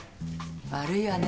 悪いわね